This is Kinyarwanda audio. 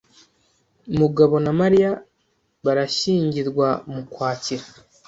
Mugabo na Mariya barashyingirwa mu Kwakira.